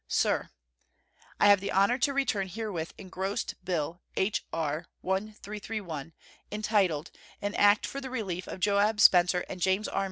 SIR: I have the honor to return herewith engrossed bill H.R. 1331, entitled "An act for the relief of Joab Spencer and James R.